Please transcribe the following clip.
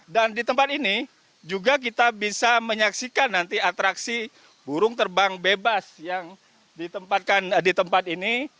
dan di tempat ini juga kita bisa menyaksikan nanti atraksi burung terbang bebas yang ditempatkan di tempat ini